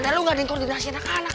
ya udah kita ke rumah